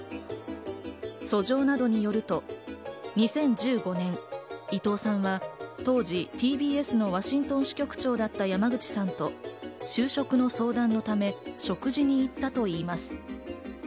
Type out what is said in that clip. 訴状などによると２０１５年、伊藤さんは当時、ＴＢＳのワシントン支局長だった山口さんと就職の相談のため食事に行ったといいます。